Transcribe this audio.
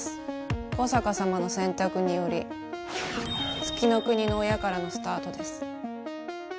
小坂さまの選択により月ノ国の親からのスタートです。